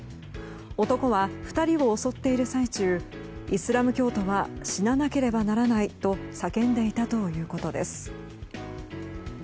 男は２人を襲っている最中イスラム教徒は死ななければならないと叫んでいたということです。